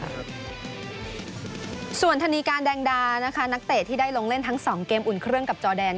ส่วนธนีการแดงดานะคะนักเตะที่ได้ลงเล่นทั้ง๒เกมอุ่นเครื่องกับจอแดน